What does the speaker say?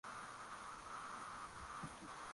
mtangazaji anaongea na mtaalamu wa mada hiyo